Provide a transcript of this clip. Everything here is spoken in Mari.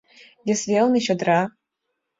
Вес велне — чодыра.